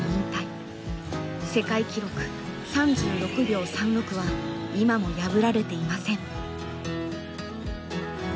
世界記録３６秒３６は今も破られていません。